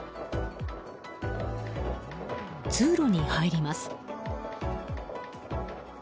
通路に入ります。